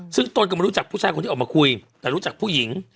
ซึ่งตนก็ไม่รู้จักผู้ชายคนที่ออกมาคุยแต่รู้จักผู้หญิง